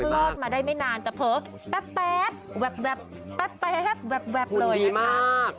รอบมาได้ไม่นานแต่เพิ่มแป๊บแป๊บแป๊บแป๊บเลยนะคะ